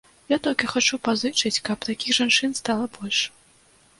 Я толькі хачу пазычыць, каб такіх жанчын стала больш.